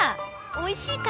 おいしいか！